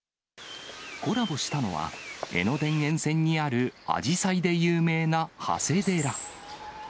コラボしたのは、江ノ電沿線にあるアジサイで有名な長谷寺。